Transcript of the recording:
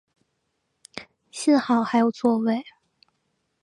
幸好还有座位